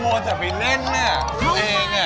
โฮนจะไปเล่นเนี่ยเขาเอง